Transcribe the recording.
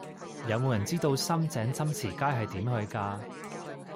有無人知道深井深慈街係點去㗎